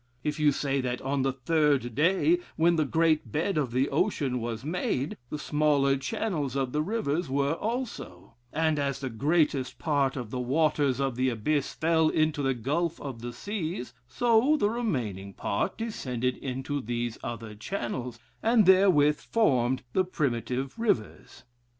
If you say, that on the third day, when the great bed of the ocean was made, the smaller channels of the rivers were also: and as the greatest part of the waters of the abyss fell into the gulf of the seas, so the remaining part descended into these other channels, and therewith formed the primitive rivers.